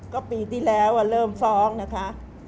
ก็ปีที่แล้วเริ่มฟ้องนะคะ